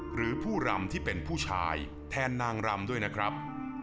หรือผู้รำที่เป็นผู้ชายแทนนางรำด้วยนะครับ